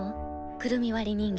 「くるみ割り人形」。